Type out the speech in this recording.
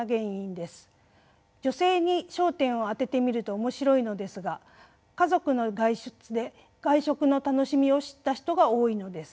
女性に焦点を当ててみると面白いのですが家族の外出で外食の楽しみを知った人が多いのです。